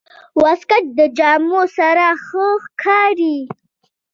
واسکټ د جامو سره ښه ښکاري.